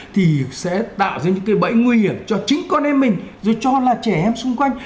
thì sẽ tạo ra những cái bẫy nguy hiểm cho chính con em mình rồi cho là trẻ em xung quanh